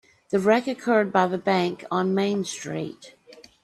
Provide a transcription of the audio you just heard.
The wreck occurred by the bank on Main Street.